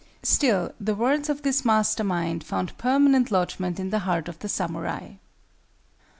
Still, the words of this master mind found permanent lodgment in the heart of the samurai.